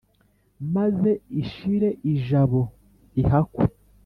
Maze ishire ijabo* ihakwe